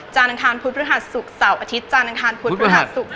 อังคารพุธพฤหัสศุกร์เสาร์อาทิตย์จานอังคารพุธพฤหัสศุกร์